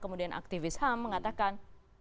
kemudian aktivis ham mengatakan